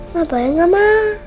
ma boleh gak ma